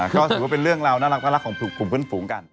ก็ถือว่าเป็นเรื่องราวน่ารักของกลุ่มเพื่อนฝูงกัน